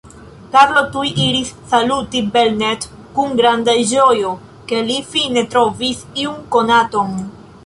Karlo tuj iris saluti Belnett kun granda ĝojo, ke li fine trovis iun konaton.